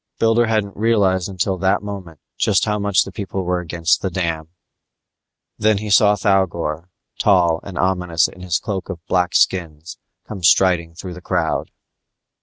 Builder hadn't realized until that moment just how much the people were against the dam. Then he saw Thougor, tall and ominous in his cloak of black skins, come striding through the crowd.